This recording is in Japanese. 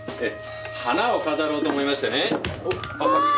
花を飾ろうと思いましてね。